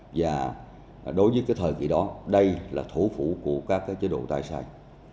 và đối với cái thời kỳ đó đây là thủ phủ của các cái chế độ tài sản